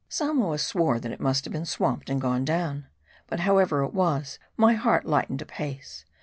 Samoa swore that it must have swamped, and gone down. But however it was, my heart lightened apace.